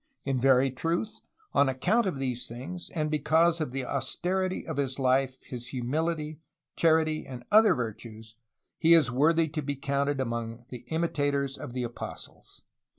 "In very truth, on account of these things, and because of the austerity of his life, his humility, charity, and other virtues, he is worthy to be counted among the imitators of the apostles.